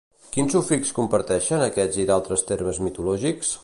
Quin sufix comparteixen aquest i d'altres termes mitològics?